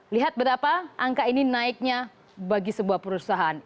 lihat betapa angka ini naiknya bagi sebuah perusahaan